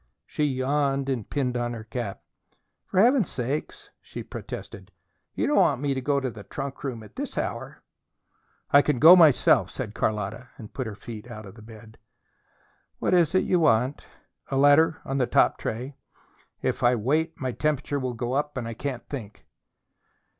She yawned and pinned on her cap. "For Heaven's sake," she protested. "You don't want me to go to the trunk room at this hour!" "I can go myself," said Carlotta, and put her feet out of bed. "What is it you want?" "A letter on the top tray. If I wait my temperature will go up and I can't think."